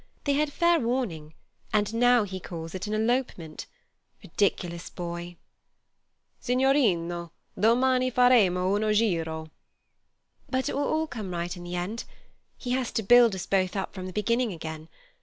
They had fair warning, and now he calls it an elopement. Ridiculous boy—" "Signorino, domani faremo uno giro—" "But it will all come right in the end. He has to build us both up from the beginning again.